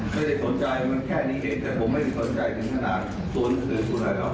ไม่ได้สนใจมันแค่นี้เองแต่ผมไม่ได้สนใจถึงขนาดตัวหนังสือตัวอะไรหรอก